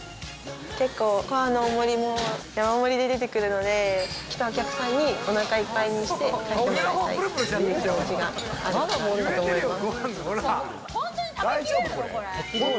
結構ご飯の大盛りも山盛りで出てくるので来たお客さんに、お腹いっぱいにして帰ってもらいたい。という気持ちがあるからだと思います。